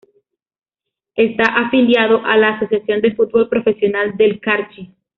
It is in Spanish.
Está afiliado a la Asociación de Fútbol Profesional del Carchi.